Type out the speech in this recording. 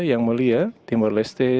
yang mulia timur leste